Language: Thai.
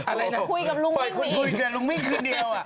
อะไรนะคุยกับลุงมิ้งมิ้งกินปลอดคุณคุยเจอลุงมิ้งคือเดียว